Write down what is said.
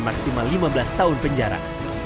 maksimal lima belas tahun penjara